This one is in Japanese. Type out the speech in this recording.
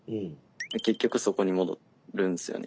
結局そこに戻るんですよね。